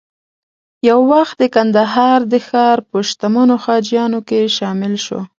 یو وخت د کندهار د ښار په شتمنو حاجیانو کې شامل شو.